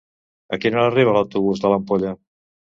A quina hora arriba l'autobús de l'Ampolla?